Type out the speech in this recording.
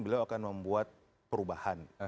beliau akan membuat perubahan